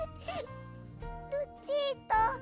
ルチータ。